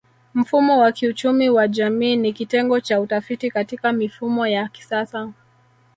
Mfumo wa kiuchumi wa jamii ni kitengo cha utafiti Katika mifumo ya kisasa